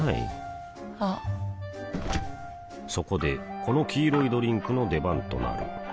あっそこでこの黄色いドリンクの出番となる